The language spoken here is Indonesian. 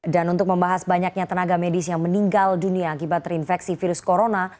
dan untuk membahas banyaknya tenaga medis yang meninggal dunia akibat terinfeksi virus corona